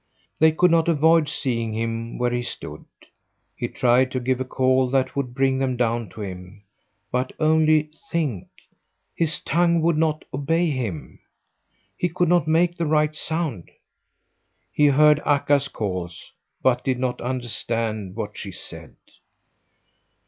They could not avoid seeing him where he stood. He tried to give a call that would bring them down to him, but only think! his tongue would not obey him. He could not make the right sound! He heard Akka's calls, but did not understand what she said.